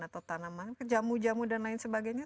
atau tanaman jamu jamu dan lain sebagainya